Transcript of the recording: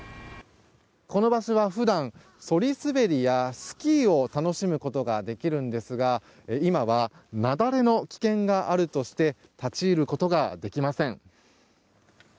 この場所は普段そり滑りやスキーを楽しむことができるんですが今は雪崩の危険があるとして立ち入ることができません。